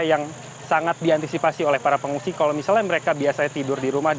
yang sangat diantisipasi oleh para pengungsi kalau misalnya mereka biasanya tidur di rumah